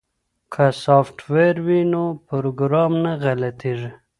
که سافټویر وي نو پروګرام نه غلطیږي.